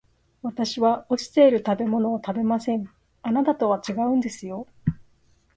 私は落ちている食べ物を食べません、あなたとは違うんですよ